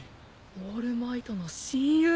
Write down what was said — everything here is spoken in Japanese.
オールマイトの親友。